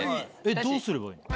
どうすればいいの？